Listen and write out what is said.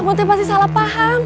kamu pasti salah paham